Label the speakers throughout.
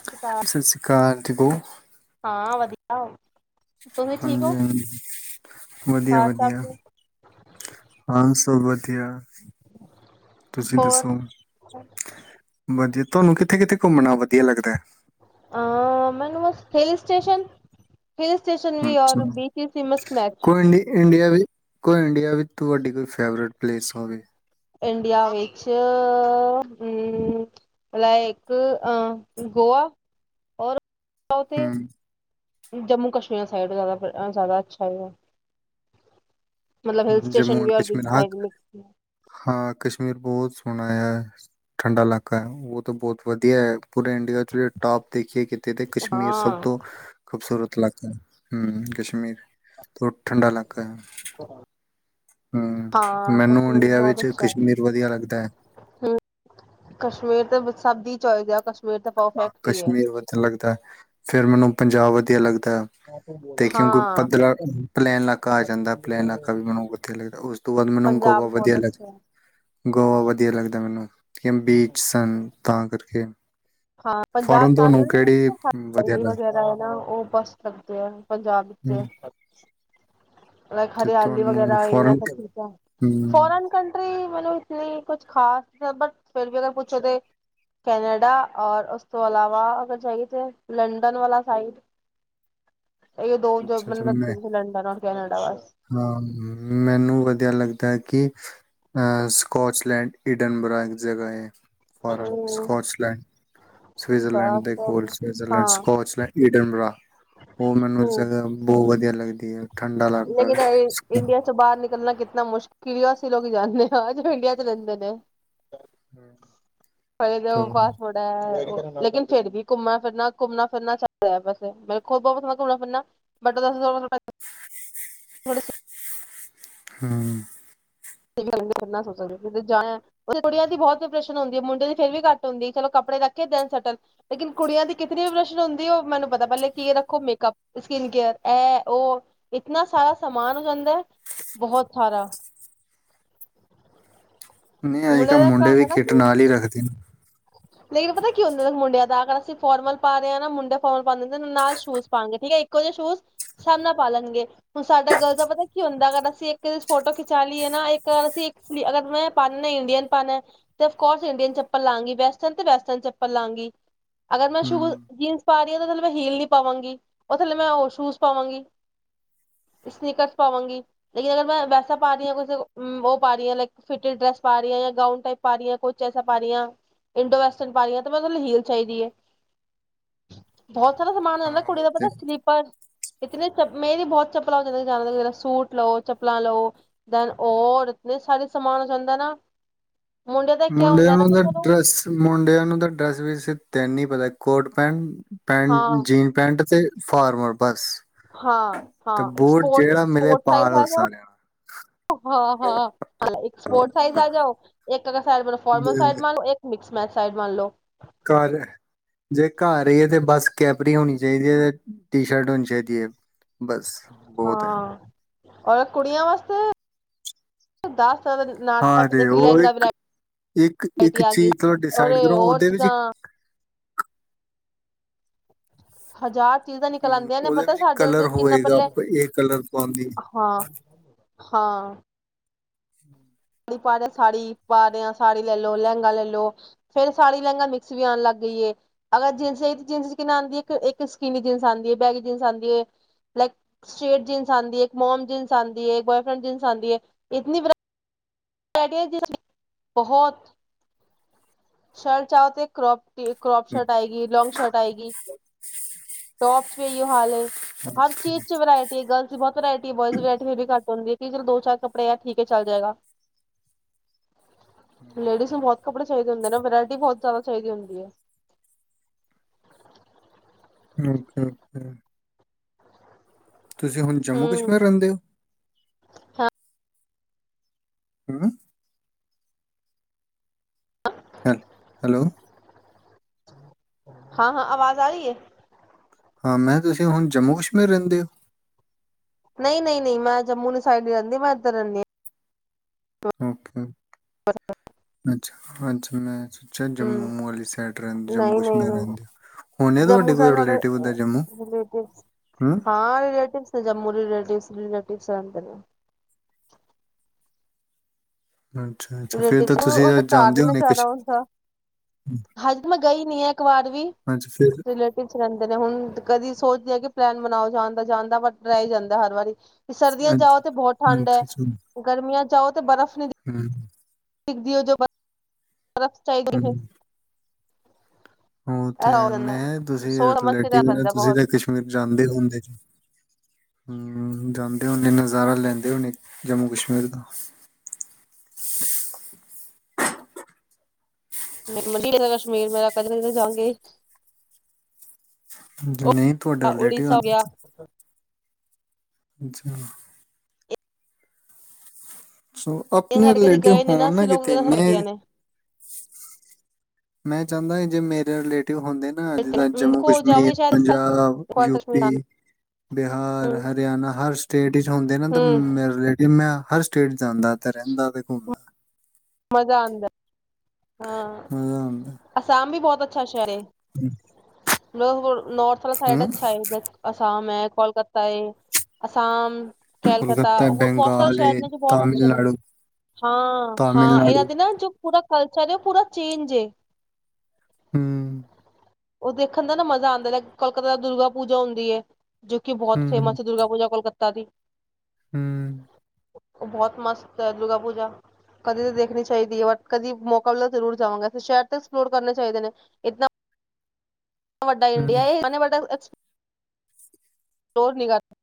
Speaker 1: ਸਤਿ ਸ਼੍ਰੀ ਅਕਾਲ
Speaker 2: ਸਤਿ ਸ਼੍ਰੀ ਅਕਾਲ ਠੀਕ ਹੋ।
Speaker 1: ਆ
Speaker 2: ਹਾਂਜੀ ਹਾਂਜੀ ਵਧੀਆ
Speaker 1: ਘਰ ਸਭ
Speaker 2: ਵਧੀਆ ਹਾਂ। [unintelligible] ਵਧੀਆ ਤੁਸੀਂ
Speaker 1: ਹੋਰ
Speaker 2: ਦੱਸੋ ਵਧੀਆ। ਤੁਹਾਨੂੰ ਕਿੱਥੇ ਕਿੱਤੇ ਘੁੰਮਣਾ ਵਧੀਆ ਲੱਗਦਾ।
Speaker 1: ਅਹ ਮੈਨੂੰ ਹਿਲ ਸਟੇਸ਼ਨ ਹਿਲ ਸਟੇਸ਼ਨ ਵੀ
Speaker 2: ਅੱਛਾ
Speaker 1: ਔਰ ਬੀਚਿਸ ਵੀ ਮਸਟ ਮੈਚ
Speaker 2: ਕੋਈ ਇੰਡੀ ਇੰਡੀਆ ਕੋਈ ਇੰਡੀਆ ਵਿੱਚ ਸਭ ਤੋਂ ਵੱਡੀ ਕੋਈ ਫੇਵਰੇਟ ਪਲੇਸ ਹੋਵੇ।
Speaker 1: ਇੰਡੀਆ ਵਿੱਚ ਲ ਇੱਕ ਗੋਆ ਹੋਰ ਤੇ
Speaker 2: ਹਮ
Speaker 1: ਜੰਮੂ ਕਸ਼ਮੀਰ ਸਾਈਡ ਜਿਆਦਾ ਜ਼ਿਆਦਾ ਅੱਛਾ ਹੈਗਾ। ਮਤਲਬ ਹਿਲ
Speaker 2: ਜੰਮੂ
Speaker 1: ਸਟੇਸ਼ਨ
Speaker 2: ਐਂਡ
Speaker 1: ਵੀ ਔਰ ਬੀਚ
Speaker 2: ਕਸ਼ਮੀਰ ਹਾਂ
Speaker 1: ਸਾਈਡ ਵੀ।
Speaker 2: ਹਾਂ ਕਸ਼ਮੀਰ ਬਹੁਤ ਸੋਹਣਾ ਹੈ ਠੰਡਾ ਇਲਾਕਾ ਹੈ ਉਹ ਤਾਂ ਬਹੁਤ ਵਧੀਆ ਹੈ ਪੂਰੇ ਇੰਡੀਆ ਟਾਪ ਦੇਖੀਏ ਕਿਤੇ ਤੇ ਕਸ਼ਮੀਰ ਸਭ
Speaker 1: ਹਾਂ
Speaker 2: ਤੋਂ ਖੂਬਸੂਰਤ ਇਲਾਕਾ ਹੂੰ ਕਸ਼ਮੀਰ ਬਹੁਤ ਠੰਡਾ ਇਲਾਕਾ ਹੈ। ਹਮ
Speaker 1: ਹਾਂ
Speaker 2: ਮੈਨੂੰ
Speaker 1: ਕਸ਼ਮੀਰ
Speaker 2: ਇੰਡੀਆ
Speaker 1: ਬਹੁਤ
Speaker 2: ਵਿੱਚ
Speaker 1: ਅੱਛਾ
Speaker 2: ਕਸ਼ਮੀਰ ਵਧੀਆ ਲੱਗਦਾ ਹੈ
Speaker 1: ਐ, ਹੂੰ ਕਸ਼ਮੀਰ ਤੇ ਸਭ ਦੀ ਚਾਹੀਦੇ ਆ ਕ
Speaker 2: ਹਾਂ, ਕਸ਼ਮੀਰ ਵਧਿਆ ਲੱਗਦਾ, ਫੇਰ ਮੈਂਨੂੰ ਪੰਜਾਬ ਵਧੀਆ ਅਲੱਗ ਦਾ ਕਿਉਂਕਿ
Speaker 1: ਹਾਂ
Speaker 2: ਪੱਧਰਾ ਪਲੈਨ ਇਲਾਕਾ ਆ ਜਾਂਦਾ, ਪਲੈਨ ਇਲਾਕਾ ਵੀ ਮੈਨੂੰ ਵਧੀਆ ਲੱਗਦਾ। ਉਸ ਤੋਂ ਬਾਅਦ ਮੈਨੂੰ
Speaker 1: ਪੰਜਾਬ
Speaker 2: ਗੋਵਾ ਵਧੀਆ
Speaker 1: ਬਹੁਤ
Speaker 2: ਲੱਗ,
Speaker 1: ਅੱਛਾ ਹੈ
Speaker 2: ਗੋਆ ਵਧੀਆ ਲੱਗਦਾ ਮੈਨੂੰ ਬੀਚ ਸਨ। ਤਾਂ ਕਰਕੇ
Speaker 1: ਹਾਂ, ਪੰਜਾਬ
Speaker 2: ਫੋਰਨ
Speaker 1: ਤਾਂ
Speaker 2: ਤੁਹਾਨੂੰ ਕਿਹੜੀ ਵਧੀਆ
Speaker 1: ਹ
Speaker 2: ਲੱਗ
Speaker 1: ਵਗੈਰਾ ਹੈ ਨਾ ਉਹ ਬੱਸ ਸਕਦੇ ਆ ਪੰਜ [inaudible]
Speaker 2: ਹਮ,
Speaker 1: ਲਾਈ
Speaker 2: ਤੇ
Speaker 1: ਹਰਿਆਲੀ
Speaker 2: ਤੁਹਾਨੂੰ
Speaker 1: ਵਗੈਰਾ
Speaker 2: ਫੋਰਨ
Speaker 1: ਸਭ,
Speaker 2: ਹਮ,
Speaker 1: ਫੋਰਨ ਕੰਟਰੀ ਮੈਨੂੰ ਇਸ ਲਈ ਕੁਛ ਖਾਸ ਨਹੀਂ, ਬਟ ਫੇਰ ਵੀ ਅਗਰ ਪੁੱਛੋ ਗੇ ਕੈਨੇਡਾ ਔਰ ਉਸ ਤੋਂ ਇਲਾਵਾ, ਅਗਰ ਜਾਏ ਤੇ ਲੰਡਨ ਵਾਲਾ ਸਾਈਡ। [inaudible]
Speaker 2: ਅੱਛਾ ਅੱਛਾ ਮੈਂ
Speaker 1: ਕੈਨੇਡਾ‌।
Speaker 2: ਹਾਂ ਮੈਨੂੰ ਵਧੀਆ ਲੱਗਦਾ ਐ, ਕਿ ਅ ਸਕੋਚਲੈਂਡ ਇਡਨਬਰਾ ਇੱਕ ਜਗ੍ਹਾ ਐ। ਫ
Speaker 1: ਹੂੰ
Speaker 2: ਸਕਚਲੈਂਡ ਸਿਵਜਰਲੈਂਡ ਦੇ ਕੋਲ
Speaker 1: ਬਸ
Speaker 2: ਸਿਵਜਰਲੈਂਡ
Speaker 1: ਹਾਂ
Speaker 2: ਸਕਚਲੈਂਡ, ਇਡਨਬਰਾ, ਉਹ ਮੈਨੂੰ
Speaker 1: ਹੂੰ
Speaker 2: ਜ਼ਿਆਦਾ ਬਹੁਤ ਵਧੀਆ ਲ ਲੱਗਦੀ ਠੰਡਾ ਲ
Speaker 1: ਇੰਡੀਆ ਤੋਂ ਬਾਹਰ ਨਿ ਨਿਕਲਨਾ ਕਿਤਨਾ ਮੁਸ਼ਕਿਲ ਆ, ਅਸੀਂ ਲੋਕ ਹੀ ਜਾਂਨੇ ਆ, ਜੋ ਇੰਡੀਆਂ ਚ ਰਹਿੰਦੇ ਨੇ। ਹਾਲੇ ਤਾਂ
Speaker 2: ਤੋਂ
Speaker 1: ਪਾਸਪੋਡ ਆ ਲੇਕਿਨ ਫਿਰ ਵੀ ਘੁੰਮਣਾ ਫਿਰਨਾ ਘੁੰਮਣਾ ਫਿਰਨਾ ਚਾਹੀਦਾ, ਵੈਸੇ ਵੇਖੋ ਆਪਾ ਵੀ ਧੋੜਾ ਘੁੰਮਣਾ ਫਿਰਨਾ ਬਟਾ ਦਸ ਥੋੜਾ ਸੇ
Speaker 2: ਹੂੰ।
Speaker 1: ਕੁੜੀਆਂ ਦੀ ਬਹੁਤ ਪ੍ਰਸ਼ਨ ਹੁੰਦੀਆਂ, ਮੁੰਡਿਆਂ ਦੀ ਫਿਰ ਵੀ ਘੱਟ ਹੁੰਦੀ, ਚਲੋ ਕੱਪੜੇ ਰੱਖੇ ਦਾਨ ਸਟਲ, ਲੇਕਿਨ ਕੁੜੀਆਂ ਦੀ ਕਿਤਨੀਸ਼ਨ ਹੁੰਦੀ, ਉਹ ਮੈਨੂੰ ਪਤਾ ਕੀ ਰੱਖੋ ਮੇਕਅਪ ਸਕਿਨ ਕੇਅਰ, ਇਹ ਉਹ ਇਤਨਾ ਸਾਰਾ ਸਮਾਨ ਹੋ ਜਾਂਦਾ ਬਹੁਤ ਸਾਰਾ
Speaker 2: ਨਹੀਂ, ਅੱਜ ਕੱਲ੍ਹ
Speaker 1: ਦਾ ਇੱਕ
Speaker 2: ਮੁੰਡੇ ਵੀ
Speaker 1: ਹੁੰਦਾ ਨਾ
Speaker 2: ਕਿੱਟ
Speaker 1: ਕਿ
Speaker 2: ਨਾਲ ਹੀ ਰੱਖਦੇ ਨੇ।
Speaker 1: ਲੇਕਿਨ ਪਤਾ ਕੀ ਹੁੰਦਾ ਮੁੰਡਿਆਂ ਦਾ, ਅਗਰ ਅਸੀਂ ਫੋਰਮਲ ਪਾ ਰਹੇ ਹਾਂ ਨਾ ਮੁੰਡੇ ਫੋਰਮਲ ਪਾਦੇ ਨਾਲ ਸ਼ੂਜ ਪਾਾਗੇ ਠੀਕ ਹੈ ਇੱਕੋ ਜਿਹੇ ਸ਼ੂਜ ਸਾਹਮ ਨਾਲ ਪਾ ਲਣਗੇ ਹੁਣ ਸਾਡਾ ਗਲਜ ਦਾ ਪਤਾ ਕੀ ਹੁੰਦਾ ਸਾ ਅਸੀਂ ਇੱਕ ਫੋਟੋ ਖਿਚਾ ਲਈਏ ਨਾ, ਇੱਕ ਅਸੀਂ ਅਗਰ ਮੈਂ ਪਾਣਾ ਇੰਡੀਅਨ ਪਾਉਣਾ ਤੇ ਅਫਕੋਰਸ ਇੰਡੀਅਨ ਚੱਪਲ ਲਾਗੀ। ਵੈਸਟਰਨ ਤੇ ਵੈਸਟਰਨ ਚੱਪਲ ਲਾਂਗੀ। ਅਗਰ ਮੈਂ ਸ਼ੂ
Speaker 2: ਹਮ
Speaker 1: ਜੀਨਸ ਪਾ ਨੀ ਉਹਦੇ ਥੱਲੇ ਮੈਂ ਹੀਲ ਨੀ ਪਾਵਾਂਗੀ, ਉਹ ਥੱਲੇ ਮੈਂ ਉਹ ਸ਼ੂਜ ਪਾਵਾਂਗੀ। ਸਨੀਕਰਸ ਪਾਵਾਂਗੀ ਲੇਕਿਨ ਅਗਰ ਮੈਂ ਵੈਸਾ ਪਾ ਰਹੀ ਹ ਉਹ ਪਾ ਰਹੀ ਹ ਲ ਫਿਟ ਡੈਸ ਪਾ ਰਹੀ ਜਾਂ ਗਾਊਨ ਟਪ ਪਾ ਰਹੀ ਹ ਕੁਸਾ ਪਾ ਰਹੀ ਆ। ਇੰਡੋ ਵੈਸਟਰਨ ਪਾ ਲਿਆ, ਤੇ ਮੈ ਉਹਦੇ ਨਾਂ ਲਹੀਲ ਚਾਹੀਦੀ ਐ। ਬਹੁਤ ਸਾਰਾ ਸਮਾਨ ਆਦਾ
Speaker 2: ਹਾਂ
Speaker 1: ਕੁੜੀ
Speaker 2: ਉਹ
Speaker 1: ਦਾ
Speaker 2: ਤੇ
Speaker 1: ਪਤਾ, ਸਲੀਪਰ ਇਤੇ ਮੇਰੀ ਬਹੁਤ ਚੱਪਲਾਂ ਹੋ ਜਾਂਦੀਆਂ, ਸੂਟ ਲਓ ਚੱਪਲਾਂ ਲਓ ਦੈਨ ਔਰ, ਇਤੇ ਸਾਰੇ ਸਮਾਨ ਹੋ ਜਾਂਦਾ ਨਾ। ਮੁੰਡੇ ਦਾ ਕਿਆ
Speaker 2: ਮੁੰਡੇਆ
Speaker 1: ਹੁੰਦਾ
Speaker 2: ਨੂੰ
Speaker 1: ਨਾ ਕਿ
Speaker 2: ਤੇ
Speaker 1: ਚਲੋ
Speaker 2: ਡਰੈਸ ਮੁੰਡਿਆਂ ਨੂੰ ਤਾਂ ਡਰੈਸ ਵੀ ਤਿੰਨ ਪਤਾ, ਕੋਟ ਪੈਟ ਪੈਂਟ
Speaker 1: ਹਾਂ
Speaker 2: ਜੀਨ ਪੈਂਟ ਤੇ ਫਾਰਮਰ ਬਸ
Speaker 1: ਹਾਂ
Speaker 2: ਤੇ ਬੂਟ ਜਿਹੜਾ ਮਿਲੇ ਪਾ
Speaker 1: ਹਾਂਪੋਟਪੋਰਟਜ਼
Speaker 2: ਲਓ
Speaker 1: ਆ ਜਾਓ
Speaker 2: ਸਾਰਿਆਂ
Speaker 1: ਹਾਂ ਹਾਂਪੋਰਟਾਈਜ਼ ਆ ਜਾਓ ਡ ਫੋਰਮਲ
Speaker 2: ਨੂੰ
Speaker 1: ਸਡ ਮ ਸਮੈ ਸਾਈਡ ਮੰਨ ਲਓ
Speaker 2: ਘਰ, ਜੇ ਘਰ ਹੀਏ ਤੇ ਬਸ ਕੈਪਰੀ ਹੋਣੀ ਚਾਹੀਦੀ ਏ ਤੇ ਟੀ ਸ਼ਰਟ ਹੋਨੀ ਚਾਹੀਦੀ ਏ। ਬਸ ਬਹੋਤ ਐ।
Speaker 1: ਹਾਂ ਔਰ ਕੁੜੀਆਂ ਵਾਸਤੇ, ਦਸ ਤਰ੍ਹਾਂ ਦੇ ਨਾਟਕ
Speaker 2: ਹਾਂਜੀ, ਉਹ
Speaker 1: ਲਹਿੰਗਾ
Speaker 2: ਇੱਕ, ਇੱਕ, ਇੱਕ
Speaker 1: ਵਰਾਇਟੀ ਆ ਗਈ।
Speaker 2: ਚੀਜ਼ ਤੁਸੀ
Speaker 1: ਔਰ
Speaker 2: ਡਿਸਾਈਡ ਕਰੋ
Speaker 1: ਹੋਰ
Speaker 2: ਉਹਦੇ ਵਿੱਚ
Speaker 1: ਚੀਜ਼ਾਂ ਹਜ਼ਾਰ ਚੀਜ਼ਾਂ ਨਿਕਲ
Speaker 2: ਹੂੰ,
Speaker 1: ਆਂਦੀਆਂ ਨੇ
Speaker 2: ਉਹਦੇ
Speaker 1: ਪਤਾ
Speaker 2: ਵਿੱਚ
Speaker 1: ਸਾਡੇ
Speaker 2: ਕਲਰ
Speaker 1: ਤੇ ਕਿੰਨਾ
Speaker 2: ਹੋਏਗਾ
Speaker 1: ਪੱਲੇ
Speaker 2: ਇਹ ਕਲਰ ਪਾਂਦੀ
Speaker 1: ਹਾਂ। ਹਾਂ। ਸਾੜੀ ਪਾ [unintelligible] ਸਾੜੀ ਪਾ ਰਹੇ ਹਾਂ, ਸਾੜੀ ਲੈ ਲਓ, ਲਹਿੰਗਾ ਲੈ ਲਓ, ਫਿਰ ਸਾੜੀ ਲਹਿੰਗਾ ਮਿਕਸ ਵੀ ਆਣ ਲੱਗ ਗਈ ਏ, ਅਗਰ ਜੀਨਸ ਲਈ ਜੀਨਸ ਕਿ ਆਂਦੀ ਹੈ ਇੱਕ ਸਕੀਨੀ ਜੀਨਸ ਆਂਦੀ ਏ, ਇੱਕ ਬੈਗੀ ਜੀਨਸ ਆਂਦੀ ਏ, ਲਾਈਕ ਸਟਰੇਟ ਜੀਨਸ ਆਂਦੀ ਏ, ਇੱਕ ਮੋਮ ਜੀਨਸ ਆਂਦੀ ਏ, ਇੱਕ ਬੋਇਫ੍ਰੈਂਡ ਜੀਨਸ ਆਂਦੀ ਏ, ਇਤਨੀ ਵਰਾਇ [unintelligible] ਬਹੋਤ [unintelligible] ਚਾਓ ਤੇ ਕਰੋਪ ਕਰੋਪ ਸ਼ਰਟ ਆਏਗੀ, ਲੌਂਗ ਸ਼ਰਟ ਆਏਗੀ, ਟੋਪਸ ਵੀ ਏਹੀਓ ਹਾਲ ਏ, ਹਰ ਚੀਜ਼ ਚ ਵਰਾਇਟੀ ਹੈ, ਗਰਲਸ ਦੀ ਬਹੋਤ ਵਰਾਇਟੀ ਏ, ਬੋਆਇਜ਼ ਦੀ ਵਰਾਇਟੀ ਫਿਰ ਵੀ ਘੱਟ ਹੁੰਦੀ ਐ। ਕਿ ਫਿਰ ਦੋ ਚਾਰ ਕੱਪੜੇ ਆ ਠੀਕ ਐ, ਚੱਲ ਜੇਗਾ। ਲੇਡੀਜ਼ ਨੂੰ ਬਹੁਤ ਕੱਪੜੇ ਚਾਹੀਦੇ ਹੁੰਦੇ ਨੇ ਬਰੈਡ ਬਹੁਤ ਜ਼ਿਆਦਾ ਚਾਹੀਦੀ ਹੁੰਦੀ ਐ।
Speaker 2: ਓਕੇ-ਓਕੇ। ਤੁਸੀਂ ਹੁਣ ਜੰਮੂ-ਕਸ਼ਮੀਰ ਰਹਿੰਦੇ ਹੋ? ਹੂੰ। ਹੈਲ, ਹੈਲੋ।
Speaker 1: ਹਾਂ-ਹਾਂ ਆਵਾਜ਼ ਆ ਰਹੀ ਏ?
Speaker 2: ਹਾਂ, ਮੈਂ ਤੁਸੀਂ ਹੁਨ ਜੰਮੂ ਕਸ਼ਮੀਰ ਰਹਿੰਦੇ ਹੋ?
Speaker 1: ਨਹੀਂ, ਨਹੀਂ, ਨਹੀਂ ਮੈਂ ਜੰਮੂ ਦੀ ਸਾਈਡ ਨੀ ਰਹਿੰਦੀ ਮੈਂ ਇੱਧਰ ਰਹਿਨੀ ਆਂ।
Speaker 2: ਓਕੇ। ਅੱਛਾ ਅੱਛਾ, ਮੈਂ ਸੋਚਿਆ
Speaker 1: ਹਾਂ ਹੂੰ
Speaker 2: ਜੰਮੂ ਵਾਲੀ ਸਾਈਡ ਰਹਿੰ ਜੰਮੂ
Speaker 1: ਨਹੀਂ ਨਹੀਂ
Speaker 2: ਕਸ਼ਮੀਰ
Speaker 1: ਨਹੀਂ
Speaker 2: ਰਹਿੰਦੇ, ਹੋਨੇ ਤੁਹਾਡੇ
Speaker 1: ਜੰਮੂ
Speaker 2: ਕੋਈ
Speaker 1: ਸਾਈਡ ਸਾਡੇ
Speaker 2: ਰਿਲੇਟਿਵ ਉਦ ਜੰਮੂ,
Speaker 1: ਰਿਲੇਟਿਵਸ
Speaker 2: ਹੈਂ?
Speaker 1: ਹਾਂ ਰਿਲੇਟਿਵਸ ਨੇ [unintelligible] ਰਿਲੇਟਿਵਸ ਰਹਿੰਦੇ ਨੇ।
Speaker 2: ਅੱਛਾ ਅੱਛਾ ਫਿਰ ਤਾਂ
Speaker 1: ਰਿਲੇਟਿਵ
Speaker 2: ਤੁਸੀਂ
Speaker 1: ਉਹਦੇ
Speaker 2: ਤਾਂ
Speaker 1: ਘਰ ਹੀ
Speaker 2: ਜਾਣਦੇ
Speaker 1: ਇੰਨਾ
Speaker 2: ਹੋਣੇ
Speaker 1: ਪਿਆਰਾ
Speaker 2: ਕੁਛ
Speaker 1: ਹੁੰਦਾ ਐ, ਹਜੇ ਮੈਂ ਗਈ ਨੀ ਇੱਕ ਵਾਰ ਵੀ
Speaker 2: ਅੱਛਾ ਫਿਰ ਅੱਛਾ
Speaker 1: ਰਿਲੇਟਿਵ ਰਹਿੰ ਹੁਨ ਕਦੀ ਸੋਚਦੇ ਆ ਕਿ ਪਲੈਨ ਬਨਾਓ ਜਾਨ ਦਾ, ਜਾਂਨ ਦਾ ਬਟ ਰਹ ਹੀ ਜਾਂਦਾ ਹਰ ਵਾਰੀ। ਵੀ ਸਰਦੀਆਂ ਜਾਓ ਤੇ ਬਹੁਤ
Speaker 2: ਅੱਛਾ
Speaker 1: ਠੰਡ ਐ,
Speaker 2: ਅੱਛਾ,
Speaker 1: ਗਰਮੀਆਂ ਜਾਓ ਬਰਫ਼ ਨੀ
Speaker 2: [unintelligible]
Speaker 1: ਦਿੱਖ ਦੀ ਓ ਜੋ ਬਰ ਤਫ ਚਾਈ [unintelligible]
Speaker 2: ਓ ਤੇ ਮੈਂ ਤੁਸੀਂ
Speaker 1: ਸੋਚ ਸਮਝ ਕੇ ਜਾਣਾ
Speaker 2: ਰਿਲੇਟਿਵ
Speaker 1: ਪੈਂਦਾ
Speaker 2: ਤੁਸੀਂ
Speaker 1: ਬਹੁਤ
Speaker 2: ਤਾਂ ਕਸ਼ਮੀਰ ਜਾਂਦੇ ਹੁੰਦੇ ਜਾਂਦੇ ਹੋਨੇ ਨਜ਼ਾਰਾ ਲੈਂਦੇ ਹੋਨੇ ਜੰਮੂ ਕਸ਼ਮੀਰ ਦਾ।
Speaker 1: [unintelligible] ਕਸ਼ਮੀਰ ਮੇਰਾ ਕਦੇ ਤੇ ਜਾਾਂਗੇ।
Speaker 2: ਨਹੀਂ ਤੁਹਾਡਾ ਰਿਲੇਟਿਵ ਹੈ
Speaker 1: ਹੋ
Speaker 2: ਨਾ
Speaker 1: ਗਿਆ
Speaker 2: ਉੱਥੇ। ਅੱਛਾ। ਸੋ
Speaker 1: ਇਹ
Speaker 2: ਅਪਨੇ
Speaker 1: ਸਾਡੇ ਕਦੀ
Speaker 2: ਰਿਲੇਟਿਵ
Speaker 1: ਗਏ ਨੀ
Speaker 2: ਹੋਨ ਨਾ
Speaker 1: ਅਸੀਂ ਲੋਕ
Speaker 2: ਕਿਤੇ ਮੈਂ
Speaker 1: ਬੇਟੀਆਂ ਨੇ
Speaker 2: ਮੈਂ ਚਾਂਦਾ ਜੇ ਮੇਰੇ ਰਿਲੇ ਤੇ ਹੁੰਦੇ ਨਾ ਜਿੱਦਾਂ ਜੱਮੁ,
Speaker 1: ਦੇਖੋ
Speaker 2: ਕਸ਼ਮੀਰ,
Speaker 1: ਜਾਵਾਂਗੇ ਸ਼ਾਇਦ ਇਸ
Speaker 2: ਪੰਜਾਬ,
Speaker 1: ਸਾਲ ਕਸ਼ਮੀਰ ਆਣਾ
Speaker 2: ਯੂਪੀ, ਬਿਹਾਰ,
Speaker 1: ਹੂੰ
Speaker 2: ਹਰਿਆਣਾ ਹਰ ਸਟੇਟ ਵਿੱਚ ਹੁੰਦੇ ਨਾ
Speaker 1: ਹੂੰ
Speaker 2: ਤਾਂ ਮੇ ਰਿਲੇਟਿਵ ਮੈਂ- ਹਰ ਸਟੇਟ- ਜਾਂਦਾ ਤੇ ਰਹਿੰਦਾ ਵੀ ਘੁੰਮਲੈ
Speaker 1: ਮਜ਼ਾ ਆਂਦਾ - ਹਾਂ
Speaker 2: ਮਜ਼ਾ
Speaker 1: ਅਸਾਮ ਵੀ ਬਹੁਤ- ਅੱਛਾ ਸ਼ਹਿਰ ਏ -
Speaker 2: ਹਮ-
Speaker 1: ਲੋਗ ਹੁਣ ਨੌਰਥ ਵਾਲਾ ਸਾਈਡ ਅੱਛਾ ਹੈ। ਅਸਾਮ ਹੈ- ਕੋਲਕਤਾ ਏ ਅਸਾਮ- ਕੈਲਕੱਤਾ
Speaker 2: ਕੋਲਕਾਤਾ
Speaker 1: ਹੋਰ ਬਹੁਤ ਸਾਰੇ
Speaker 2: ਬੰਗਾਲ
Speaker 1: ਸ਼ਹਿਰ
Speaker 2: ਏ,
Speaker 1: ਨੇ ਜੋ ਬਹੁਤ ਅੱਛੇ ਨੇ
Speaker 2: ਤਾਮਿਲਨਾਡੂ
Speaker 1: ਹਾਂ ਹਾਂ ਇਹਨਾਂ ਦੇ ਨਾ ਜੋ- ੜਾ [unintelligible] ਕਲਚਰ ਹੈ ਪੂਰਾ ਚੇਂਜ ਏ।
Speaker 2: ਹਮ-
Speaker 1: ਉਹ ਦੇਖਣ ਦਾ ਨਾ ਮਜ਼ਾ ਆਉਂਦਾ ਲਾਈਕ ਕੋਲਕਤਾ ਦੁਰਗਾ ਪੂਜਾ ਹੁੰਦੀ ਹੈ। ਜੋ ਕਿ ਬਹੁਤ ਫੇਮਸ ਹੈ ਦੁਰਗਾ ਪੂਜਾ। ਕੋਲਕਤਾ ਤਾਂ ਦੀ-
Speaker 2: ਹਮ-
Speaker 1: ਉਹ ਬਹੁਤ ਮਸਤ ਹੈ ਦੁਰਗਾ ਪੂਜਾ ਕਦੀ ਤਾਂ ਦੇਖਣੀ ਚਾਹੀਦੀ ਹੈ ਬਟ- ਕਦੀ ਮੌਕਾ ਮਿਲਾ ਜ਼ਰੂਰ ਜਾਵਾਂਗੇ ਸ਼ਹਿਰ ਤੇ ਐਕਸਪਲੋਰ ਕਰਨੇ ਚਾਹੀਦੇ ਨੇ ਇਤਨਾ- ਵੱਡਾ ਇੰਡੀਆ ਇਹਏ ਵਡ ਸੋਰ ਨਿਗਾਾਲਾ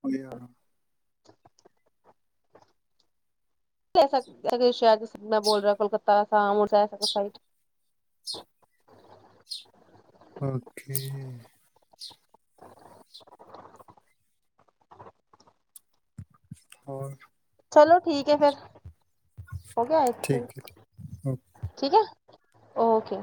Speaker 2: ਹ [unintelligible]
Speaker 1: ਸ਼ਰ ਮੈਂ ਬੋਲ ਰਿਹਾ ਕੋਲਕਤਾ ਅਸਾਮ
Speaker 2: ਓਕੇ-
Speaker 1: [inaudible]
Speaker 2: ਹੋਰ-
Speaker 1: ਚਲੋ ਠੀਕ ਹੈ ਫੇਿਰ। ਹੋ ਗਿਆ ਇੱਥੇ -ਠੀਕ ਹੈ। ਓਕੇ।